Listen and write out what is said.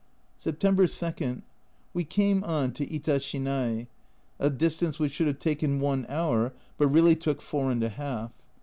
September 2. We came on to Itashinai a distance which should have taken one hour, but really took four and a half.